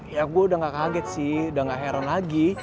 ya gue udah gak kaget sih udah gak heran lagi